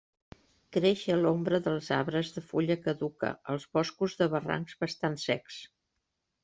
Creix a l'ombra dels arbres de fulla caduca, als boscos de barrancs bastant secs.